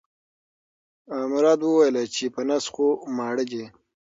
مراد وویل چې په نس خو ماړه دي.